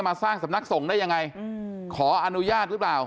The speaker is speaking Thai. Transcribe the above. มาสร้างสำนักส่งได้ยังไงขออนุญาตหรือเปล่า